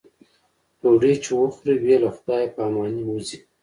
ډوډۍ چې وخوري بې له خدای په امانۍ وځي.